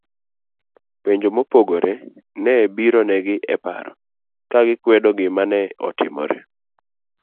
penjo mopogore ne biro negi iparo, kagikwedo gimane otimore